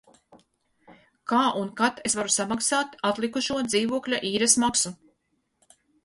Kā un kad es varu samaksāt atlikušo dzīvokļa īres maksu?